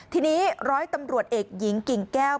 ทีนี้ร้อยตำรวจเอกหญิงกิ่งแก้ว